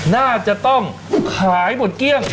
น่าจะต้องขายหมดเกลี้ยง